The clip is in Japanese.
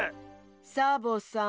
サボさん。